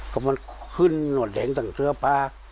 เขาไม่ขึ้นมดแดงตั้งเครื่อพาก